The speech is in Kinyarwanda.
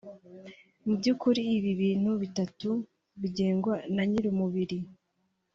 Mu by’ukuri ibi bintu bitatu bigengwa na nyir’umubiri